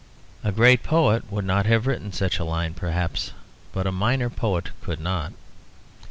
A great poet would not have written such a line, perhaps. But a minor poet could not.